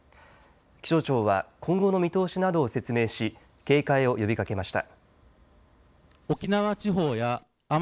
気象庁は今後の見通しなどを説明し警戒を呼びかけました。